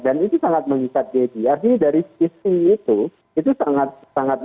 dan itu sangat mengikat deddy artinya dari sisi itu sangat